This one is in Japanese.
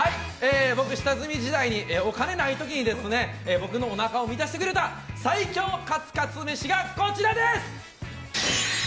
僕、下積み時代にお金がない時僕のおなかを満たしてくれた最強カツカツ飯がこちらです！